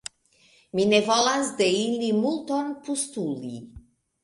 Mi ne volas de ili multon postuli.